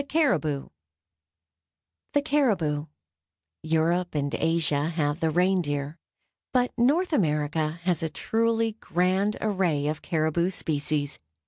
The Caribou Europe and Asia have the reindeer, but North America has a truly grand array of caribou species.